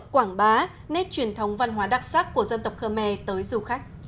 quảng bá nét truyền thống văn hóa đặc sắc của dân tộc khơ me tới du khách